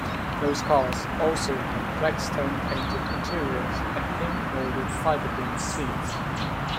Those cars also had Plextone-painted interiors and pink-molded fiberglass seats.